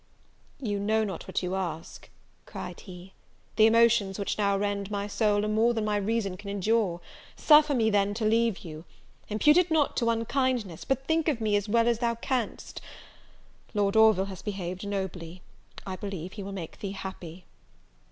"You know not what you ask," cried he; "the emotions which now rend my soul are more than my reason can endure; suffer me then, to leave you; impute it not to unkindness, but think of me as well as thou canst. Lord Orville has behaved nobly; I believe he will make thee happy."